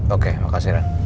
oke makasih ren